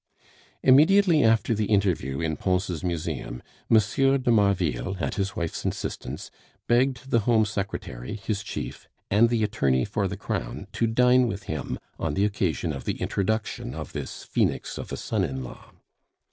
Immediately after the interview in Pons' museum, M. de Marville, at his wife's instance, begged the Home Secretary, his chief, and the attorney for the crown to dine with him on the occasion of the introduction of this phoenix of a son in law.